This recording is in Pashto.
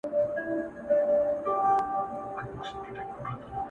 گراني ددې وطن په ورځ كي توره شپـه راځي؛